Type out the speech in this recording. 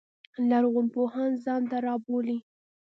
لرغون پوهان ځان ته رابولي.